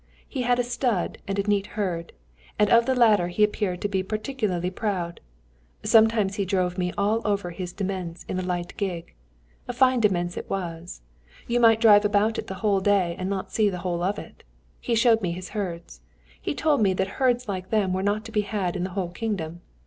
He had a stud and a neat herd, and of the latter he appeared to be particularly proud. Sometimes he drove me all over his demesne in a light gig. A fine demesne it was. You might drive about it the whole day and not see the whole of it. He showed me his herds. He told me that herds like them were not to be had in the whole kingdom.